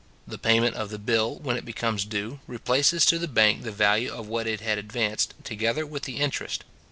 The payment of the bill, when it becomes due, replaces to the bank the value of what it had advanced, together with the interest.